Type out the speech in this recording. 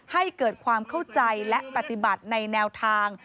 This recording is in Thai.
ให้เกิดความเข้าใจและปฏิบัติในแนวทาง